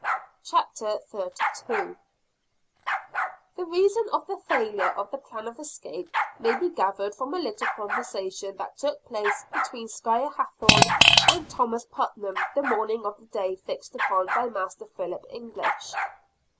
CHAPTER XXXII. Why the Plan Failed. The reason of the failure of the plan of escape may be gathered from a little conversation that took place between Squire Hathorne and Thomas Putnam the morning of the day fixed upon by Master Philip English.